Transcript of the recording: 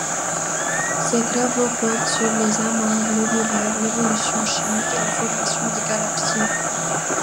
Ses travaux portent sur les amas globulaires, l'évolution chimique et la formation des galaxies.